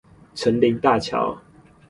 城林大橋